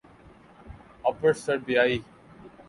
اپر سربیائی